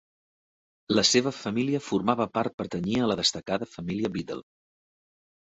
La seva família formava part pertanyia a la destacada família Biddle.